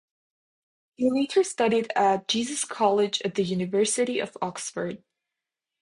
He later studied at Jesus College at the University of Oxford.